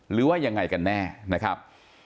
หรือว่ายังไงกันแน่นะครับ